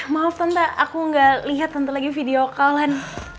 maaf tante aku gak lihat tante lagi video call kan